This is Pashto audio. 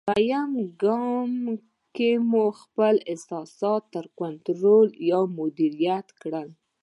دوېم ګام کې مو خپل احساسات کنټرول یا مدیریت کړئ.